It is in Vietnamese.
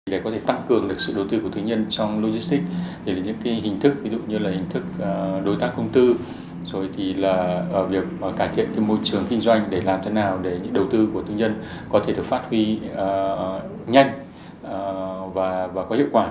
để có thể tăng cường được sự đầu tư của thương nhân trong logistics thì những hình thức ví dụ như là hình thức đối tác công tư rồi thì là việc cải thiện môi trường kinh doanh để làm thế nào để những đầu tư của tư nhân có thể được phát huy nhanh và có hiệu quả